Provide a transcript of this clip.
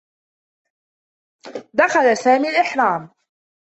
دخل سامي الإحرام.